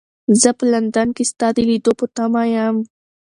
زه په لندن کې ستا د لیدلو په تمه یم.